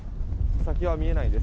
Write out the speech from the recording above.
先は見えないです。